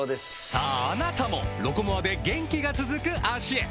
さああなたも「ロコモア」で元気が続く脚へ！